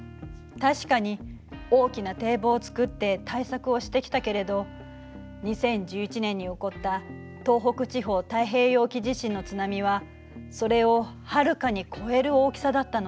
確かに大きな堤防を造って対策をしてきたけれど２０１１年に起こった東北地方太平洋沖地震の津波はそれをはるかに超える大きさだったの。